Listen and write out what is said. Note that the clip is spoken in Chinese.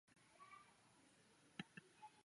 圣卡洛斯是福克兰战争中英军的桥头堡。